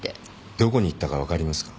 どこに行ったか分かりますか？